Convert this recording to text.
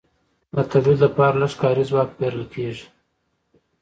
د تولید لپاره لږ کاري ځواک پېرل کېږي